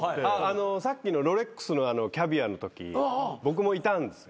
さっきのロレックスのキャビアのとき僕もいたんですよ。